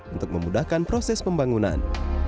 untuk memudahkan proses pembangunan